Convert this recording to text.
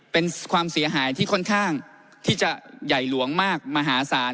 เป็นความเสียหายที่ค่อนข้างที่จะใหญ่หลวงมากมหาศาล